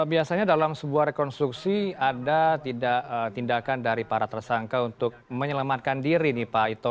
biasanya dalam sebuah rekonstruksi ada tindakan dari para tersangka untuk menyelamatkan diri nih pak ito